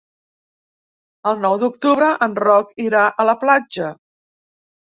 El nou d'octubre en Roc irà a la platja.